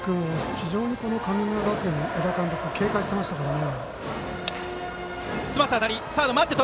非常に神村学園の小田監督、警戒してましたからね。